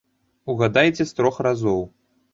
Угадайце з трох разоў.